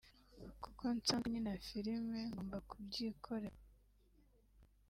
kuko nsanzwe nkina filime ngomba kubyikorera